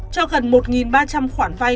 cho gần một ba trăm linh khoản vay